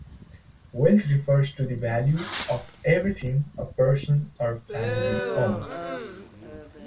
Wealth refers to value of everything a person or family owns.